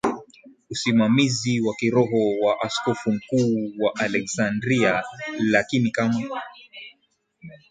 usimamizi wa kiroho wa Askofu mkuu wa Aleksandria Lakini kama